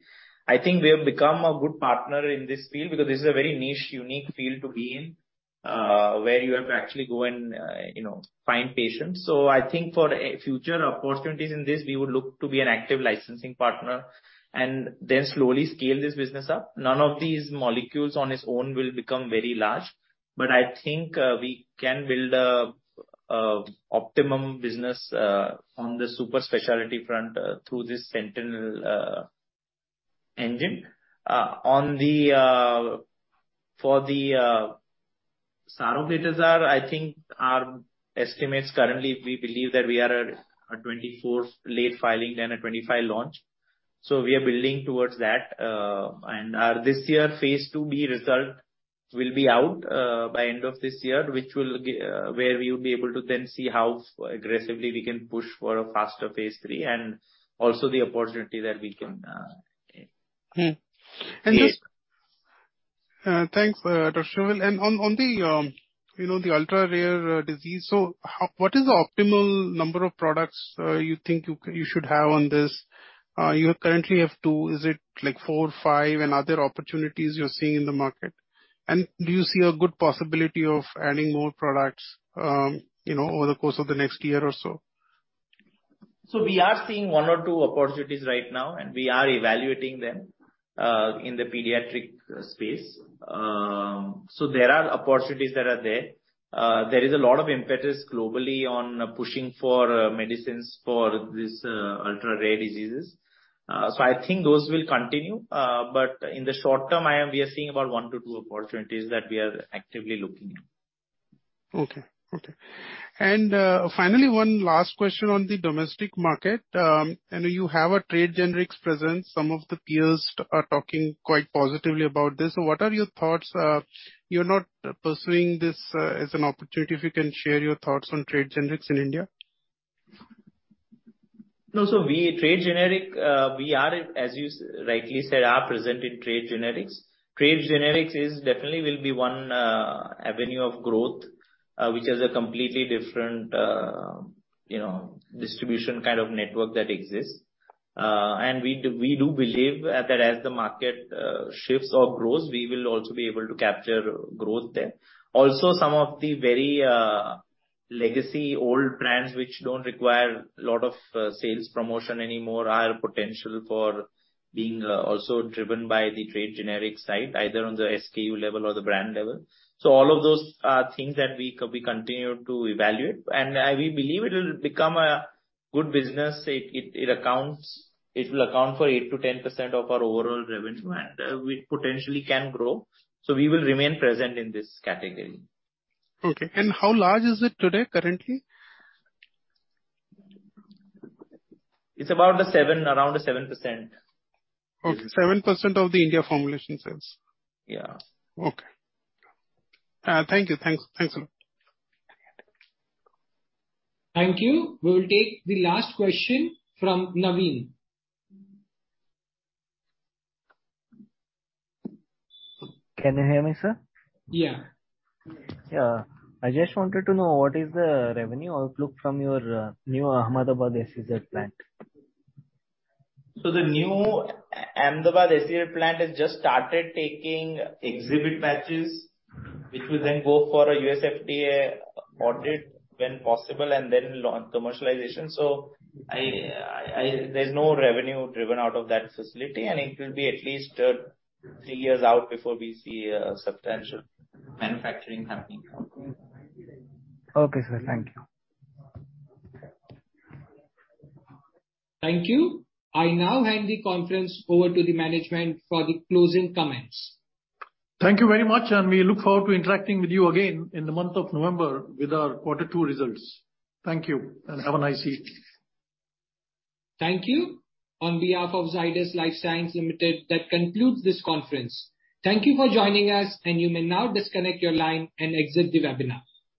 I think we have become a good partner in this field because this is a very niche, unique field to be in, where you have to actually go and, you know, find patients. I think for future opportunities in this, we would look to be an active licensing partner and then slowly scale this business up. None of these molecules on its own will become very large, but I think we can build a optimum business on the super specialty front through this Sentynl engine. For the Saroglitazar, I think our estimates currently, we believe that we are at a 2024 late filing and a 2025 launch. We are building towards that. Our this year phase II-B result will be out by end of this year, which will, where we'll be able to then see how aggressively we can push for a faster phase III and also the opportunity that we can. Mm-hmm. Yes. Thanks, Dr. Sharvil. On the, you know, the ultra-rare disease, what is the optimal number of products you think you should have on this? You currently have two. Is it like four or five and other opportunities you're seeing in the market? Do you see a good possibility of adding more products, you know, over the course of the next year or so? We are seeing one or two opportunities right now, and we are evaluating them in the pediatric space. There are opportunities that are there. There is a lot of impetus globally on pushing for medicines for these ultra-rare diseases. I think those will continue. In the short term, we are seeing about one to two opportunities that we are actively looking at. Okay. Finally, one last question on the domestic market. I know you have a trade generics presence. Some of the peers are talking quite positively about this. What are your thoughts? You're not pursuing this as an opportunity. If you can share your thoughts on trade generics in India. No. We trade generic, we are, as you rightly said, present in trade generics. Trade generics definitely will be one avenue of growth, which has a completely different, you know, distribution kind of network that exists. We do believe that as the market shifts or grows, we will also be able to capture growth there. Some of the very legacy old brands, which don't require a lot of sales promotion anymore, are potential for being also driven by the trade generic side, either on the SKU level or the brand level. All of those are things that we continue to evaluate. We believe it'll become a good business. It will account for 8%-10% of our overall revenue, and we potentially can grow. We will remain present in this category. Okay. How large is it today currently? It's about seven, around 7%. Okay. 7% of the India formulations sales. Yeah. Okay. Thank you. Thanks. Thanks a lot. Thank you. We will take the last question from Naveen. Can you hear me, sir? Yeah. Yeah. I just wanted to know what is the revenue outlook from your new Ahmedabad SEZ plant? The new Ahmedabad SEZ plant has just started taking exhibit batches, which will then go for a U.S. FDA audit when possible and then launch commercialization. There's no revenue driven out of that facility, and it will be at least three years out before we see substantial manufacturing happening. Okay, sir. Thank you. Thank you. I now hand the conference over to the management for the closing comments. Thank you very much, and we look forward to interacting with you again in the month of November with our quarter two results. Thank you, and have a nice evening. Thank you. On behalf of Zydus Lifesciences Limited, that concludes this conference. Thank you for joining us, and you may now disconnect your line and exit the webinar.